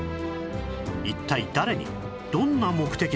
一体誰にどんな目的で？